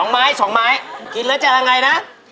๒ไม้๒ไม้กินแล้วจะยังไงนะ